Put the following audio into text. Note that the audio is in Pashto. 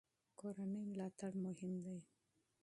کورنۍ ملاتړ مهم دی.